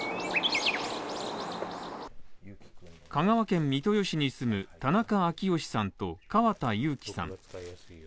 香川県三豊市に住む田中昭全さんと川田有希さん。